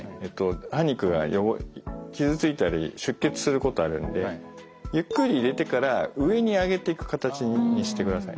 歯肉が傷ついたり出血することがあるのでゆっくり入れてから上に上げていく形にしてください。